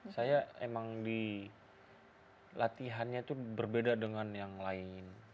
saya emang di latihannya itu berbeda dengan yang lain